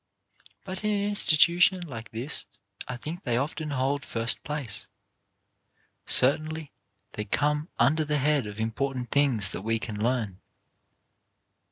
But in an institution like this I think they often hold first place — certainly they come under the head of important things that we can learn.